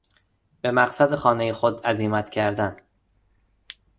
به مقصد خانهی خود عزیمت کردن